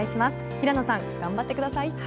平野さん頑張ってください。